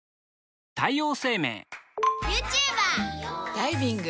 ダイビング。